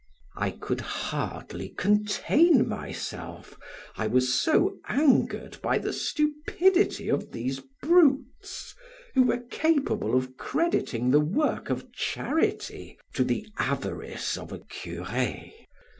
I could hardly contain myself, I was so angered by the stupidity of these brutes who were capable of crediting the work of charity to the avarice of a cure.